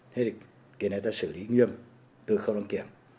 thế thì cái này ta xử lý nghiêm từ khâu đăng kiểm